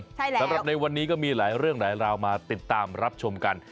ใช่แล้วสำหรับในวันนี้ก็มีหลายเรื่องหลายราวมาติดตามรับชมกัน